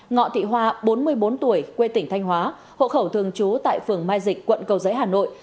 ngọ thị hoa bốn mươi bốn tuổi quê tỉnh thanh hóa hộ khẩu thường trú tại phường mai dịch quận cầu giấy hà nội